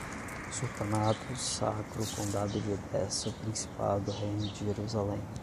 sultanatos, sacro, condado de Edessa, Principado, Reino de Jerusalém